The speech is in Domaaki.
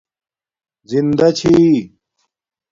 زندݳ چھی